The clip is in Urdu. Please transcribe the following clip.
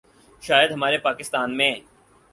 شاید ہمارے پاکستان میں